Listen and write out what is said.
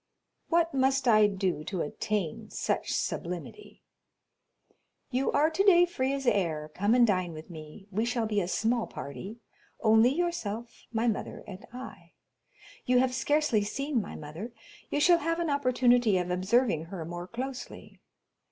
"What must I do to attain such sublimity?" "You are today free as air—come and dine with me; we shall be a small party—only yourself, my mother, and I. You have scarcely seen my mother; you shall have an opportunity of observing her more closely.